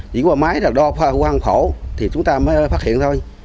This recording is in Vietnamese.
chỉ có máy đo hoang khổ thì chúng ta mới phát hiện thôi